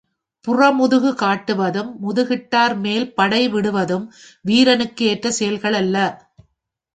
புறமுதுகு காட்டுவதும், முதுகிட்டார் மேல் படை விடுவதும் வீரனுக்கு ஏற்ற செயல்கள் அல்ல.